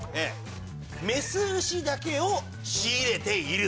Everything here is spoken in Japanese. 「雌牛だけを仕入れている」